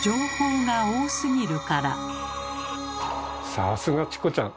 さすがチコちゃん！